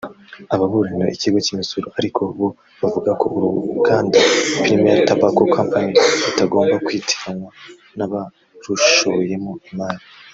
Ababuranira ikigo cy’imisoro ariko bo bavuga ko uruganda Premier Tobacco Company rutagomba kwitiranywa n’abarushoyemo imari